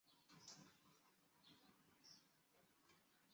东京鳞毛蕨为鳞毛蕨科鳞毛蕨属下的一个种。